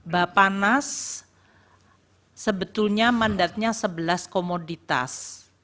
bapanas sebetulnya mandatnya sebelas komoditas